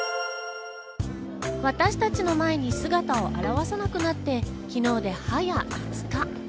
私たちの前に姿を表さなくなって昨日で早５日。